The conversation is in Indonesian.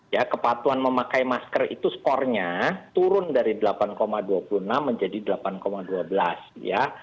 ya kepatuan memakai masker itu skornya turun dari delapan dua puluh enam menjadi delapan dua belas ya